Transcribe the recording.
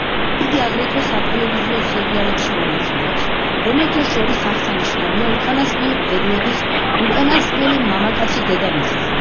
იგი აგრეთვე სატელევიზიო სერიალებში მონაწილეობს, რომელთა შორის აღსანიშნავია უკანასკნელი პერიოდის „უკანასკნელი მამაკაცი დედამიწაზე“.